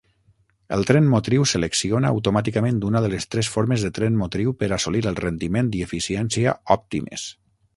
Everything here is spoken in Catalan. El tren motriu selecciona automàticament una de les tres formes de tren motriu per assolir el rendiment i eficiència òptimes.